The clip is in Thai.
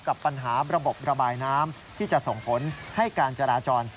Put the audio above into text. กับปัญหาระบบระบายน้ำที่จะส่งผลให้การจราจร